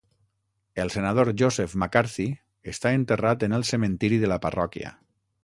El senador Joseph McCarthy està enterrat en el cementiri de la parròquia.